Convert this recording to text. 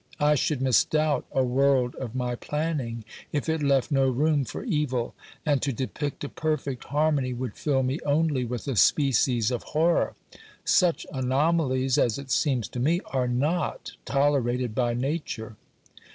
I should misdoubt a world of my planning if it left no room for evil, and to depict a perfect harmony would fill me only with a species of horror. Such anomalies, as it seems to me, are not tolerated by Nature.